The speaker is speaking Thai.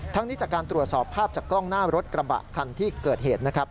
นี้จากการตรวจสอบภาพจากกล้องหน้ารถกระบะคันที่เกิดเหตุนะครับ